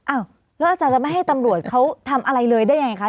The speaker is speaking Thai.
อ้าวแล้วอาจารย์จะไม่ให้ตำรวจเขาทำอะไรเลยได้ยังไงคะ